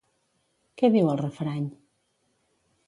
Què diu el refrany?